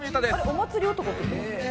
お祭り男って言ってます」